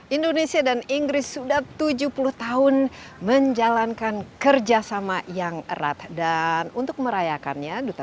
indonesia dan inggris sudah tujuh puluh tahun menjalankan kerjasama yang erat dan untuk merayakannya